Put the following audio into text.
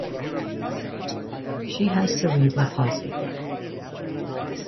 She has cerebral palsy.